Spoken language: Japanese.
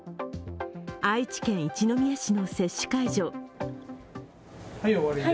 愛知県一宮市の接種会場。